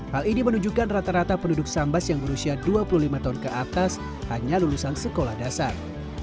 hal ini menunjukkan rata rata penduduk sambas yang berusia dua puluh lima tahun ke atas hanya lulusan sekolah dasar